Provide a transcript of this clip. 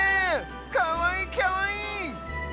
かわいいかわいい！